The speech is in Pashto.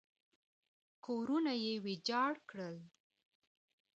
کورونه یې ویجاړ کړل.